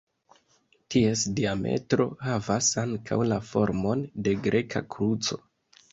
Ties diametro havas ankaŭ la formon de greka kruco.